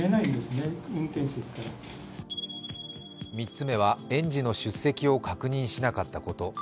３つ目は園児の出席を確認しなかったこと。